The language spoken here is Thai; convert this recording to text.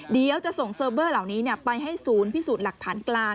เดี๋ยวจะส่งเซิร์ฟเบอร์เหล่านี้ไปให้ศูนย์พิสูจน์หลักฐานกลาง